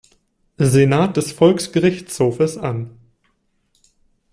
Senat des Volksgerichtshofes an.